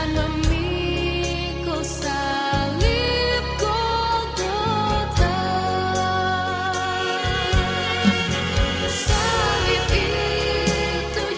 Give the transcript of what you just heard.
berpang pada salib itu